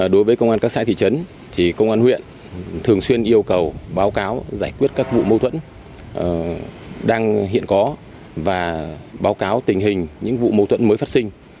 đối với công an các xã thị trấn thì công an huyện thường xuyên yêu cầu báo cáo giải quyết các vụ mâu thuẫn đang hiện có và báo cáo tình hình những vụ mâu thuẫn mới phát sinh